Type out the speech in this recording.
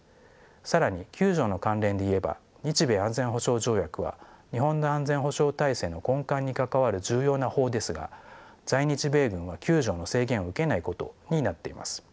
更に九条の関連で言えば日米安全保障条約は日本の安全保障体制の根幹に関わる重要な法ですが在日米軍は九条の制限を受けないことになっています。